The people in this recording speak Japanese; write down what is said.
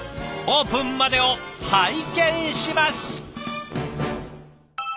オープンまでを拝見します！